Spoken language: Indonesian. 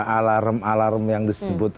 alarm alarm yang disebut